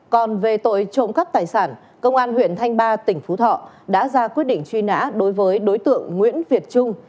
còn về tội trộm cắp tài sản công an huyện thanh ba tỉnh phú thọ đã ra quyết định truy nã đối với đối tượng nguyễn việt trung